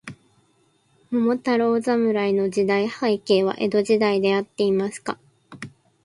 桃太郎侍の時代背景は、江戸時代であっていますか。